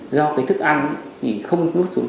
do cái thức ăn không nuốt xuống